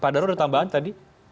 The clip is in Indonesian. pak darul ada tambahan tadi